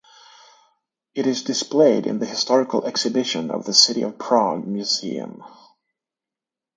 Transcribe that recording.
It is displayed in the historical exhibition of the City of Prague Museum.